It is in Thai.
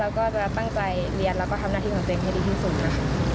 แล้วก็จะตั้งใจเรียนแล้วก็ทำหน้าที่ของตัวเองให้ดีที่สุดค่ะ